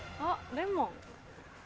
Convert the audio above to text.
レモン。